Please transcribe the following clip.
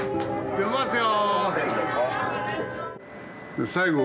出ますよ！